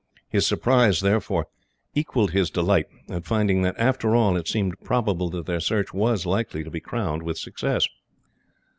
His surprise, therefore, equalled his delight at finding that, after all, it seemed probable that their search was likely to be crowned with success.